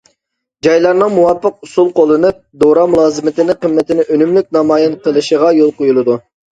جايلارنىڭ مۇۋاپىق ئۇسۇل قوللىنىپ، دورا مۇلازىمىتى قىممىتىنى ئۈنۈملۈك نامايان قىلىشىغا يول قويۇلىدۇ.